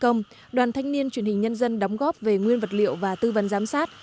trong năm hai nghìn một mươi bảy đoàn thanh niên truyền hình nhân dân đóng góp về nguyên vật liệu và tư vấn giám sát